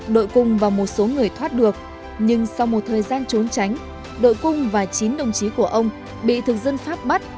đội cung và một số người thoát được nhưng sau một thời gian trốn tránh đội cung và chín đồng chí của ông bị thực dân pháp bắt